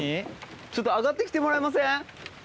ちょっと上がって来てもらえません？